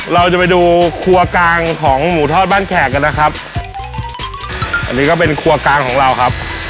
เราจะไปดูครัวกลางของหมูทอดบ้านแขกกันนะครับอันนี้ก็เป็นครัวกลางของเราครับ